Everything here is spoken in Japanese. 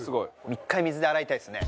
１回水で洗いたいですね。